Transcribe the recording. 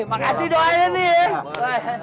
makasih doanya nih ya